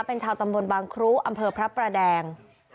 เป็นชาวตำบลบางครุอำเภอพระประแดง